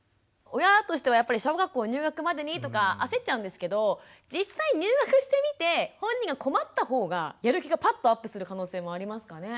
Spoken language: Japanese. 親としてはやっぱり小学校入学までにとか焦っちゃうんですけど実際入学してみて本人が困ったほうがやる気がパッとアップする可能性もありますかね？